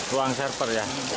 ruang server ya